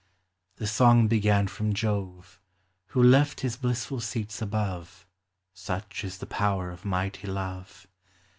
The song began from .!<> Who left his blissful seats above (Such Is the power of mighty love).